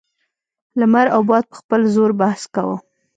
لمر او باد په خپل زور بحث کاوه.